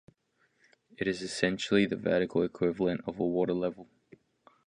It is essentially the vertical equivalent of a "water level".